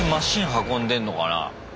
運んでんのかな？